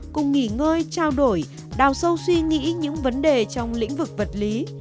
cùng nghỉ ngơi trao đổi đào sâu suy nghĩ những vấn đề trong lĩnh vực vật lý